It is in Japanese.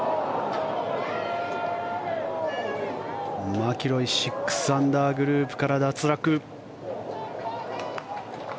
マキロイ６アンダーグループから脱落。